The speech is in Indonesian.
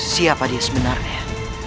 siapa dia sebenarnya